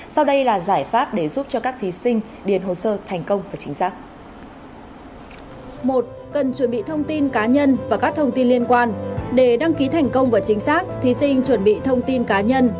sau đây là giải pháp để giúp cho các thí sinh điền hồ sơ thành công và chính xác